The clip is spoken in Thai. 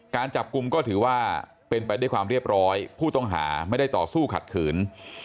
การจับกลุ่มก็ถือว่าเป็นไปด้วยความเรียบร้อยผู้ต้องหาไม่ได้ต่อสู้ขัดขืน